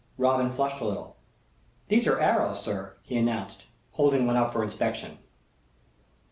Robin flushed a little. "These are arrows, sir," he announced, holding one up for inspection.